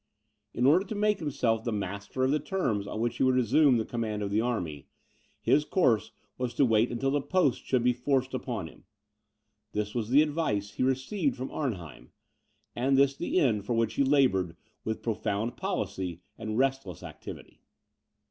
In order to make himself the master of the terms on which he would resume the command of the army, his course was to wait until the post should be forced upon him. This was the advice he received from Arnheim, and this the end for which he laboured with profound policy and restless activity.